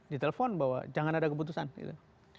ditelepon bahwa jangan ada keputusan gitu